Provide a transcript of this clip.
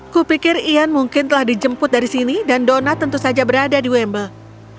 kupikir ian mungkin telah dijemput dari sini dan dona tentu saja berada di wemble